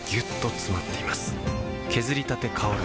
削りたて香る